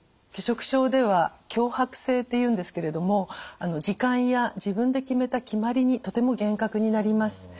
拒食症では強迫性っていうんですけれども時間や自分で決めた決まりにとても厳格になります。